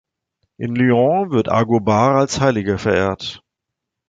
In Lyon wird Agobard als Heiliger verehrt.